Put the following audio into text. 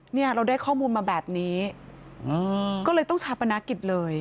เนี่ยเราได้ข้อมูลมาแบบนี้ก็เลยต้องชาปนกิจเลย